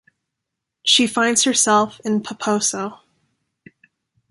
She finds herself in Paposo.